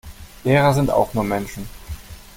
Lehrer sind auch nur Menschen.